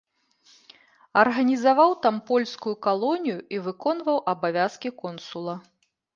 Арганізаваў там польскую калонію і выконваў абавязкі консула.